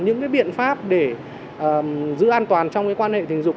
những cái biện pháp để giữ an toàn trong cái quan hệ tình dục